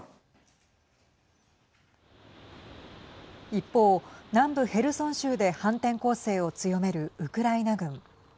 一方、南部ヘルソン州で反転攻勢を強めるウクライナ軍。